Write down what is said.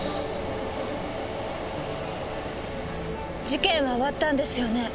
事件は終わったんですよね？